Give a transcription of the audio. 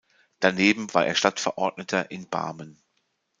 Daneben war er Stadtverordneter in Barmen.